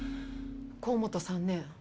河本さんね